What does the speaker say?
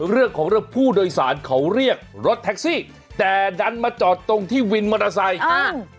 เรื่องของเรื่องผู้โดยสารเขาเรียกรถแท็กซี่แต่ดันมาจอดตรงที่วินมอเตอร์ไซค์อ่า